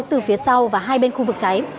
từ phía sau và hai bên khu vực cháy